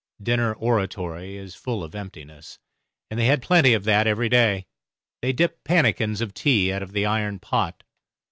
Dinner oratory is full of emptiness and they had plenty of that every day. They dipped pannikins of tea out of the iron pot.